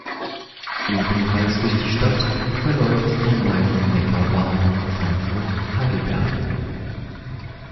Ebenfalls durch die Stadt verläuft die Main-Neckar-Bahn Frankfurt–Heidelberg.